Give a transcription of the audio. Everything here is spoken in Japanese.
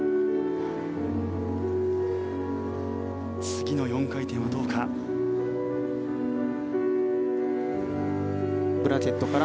次の４回転はどうか。